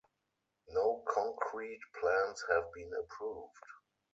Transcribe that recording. No concrete plans have been approved.